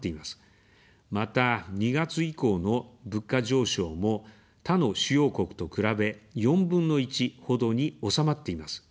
また、２月以降の物価上昇も他の主要国と比べ４分の１ほどに収まっています。